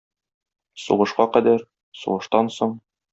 Сугышка кадәр... сугыштан соң...